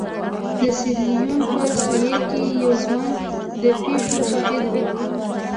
د سیریلیون په سوېل کې یو ځوان د پېښو شاهد و.